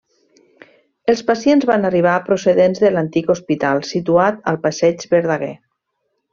Els pacients van arribar procedents de l'antic hospital situat al passeig Verdaguer.